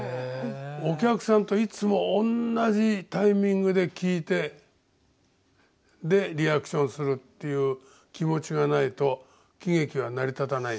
お客さんといつもおんなじタイミングで聞いてでリアクションするっていう気持ちがないと喜劇は成り立たない。